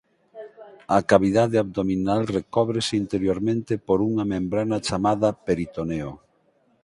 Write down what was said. A cavidade abdominal recóbrese interiormente por unha membrana chamada peritoneo.